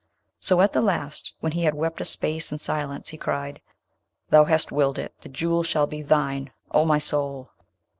So at the last, when he had wept a space in silence, he cried, 'Thou hast willed it; the Jewel shall be thine, O my soul!'